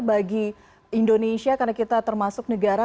bagi indonesia karena kita termasuk negara